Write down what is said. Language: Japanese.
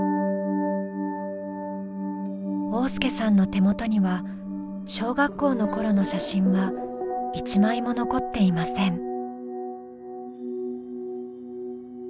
旺亮さんの手元には小学校の頃の写真は一枚も残っていません。